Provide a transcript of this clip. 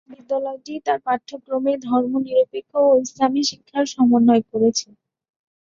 বিদ্যালয়টি তার পাঠ্যক্রমে ধর্মনিরপেক্ষ ও ইসলামি শিক্ষার সমন্বয় করেছে।